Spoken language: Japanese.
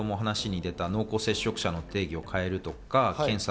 例えば先程お話に出た濃厚接触者の定義を変えるとか。